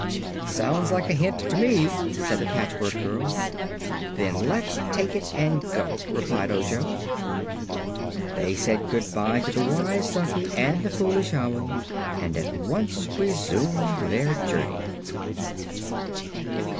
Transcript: "Sounds like a hint, to me," said the Patchwork Girl. "Then let's take it and go," replied Ojo. They said good bye to the Wise Donkey and the Foolish Owl and at once resumed their journey.